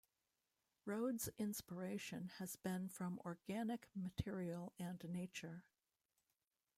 Rhodes' inspiration has been from organic material and nature.